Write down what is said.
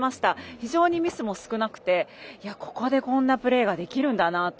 非常にミスも少なくて、ここでこんなプレーができるんだなって